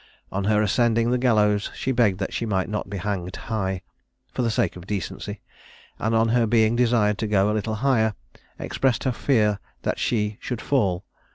On her ascending the gallows, she begged that she might not be hanged high, "for the sake of decency;" and on her being desired to go a little higher, expressed her fear that she should fall.